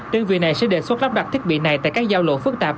đơn vị này sẽ đề xuất lắp đặt thiết bị này tại các giao lộ phức tạp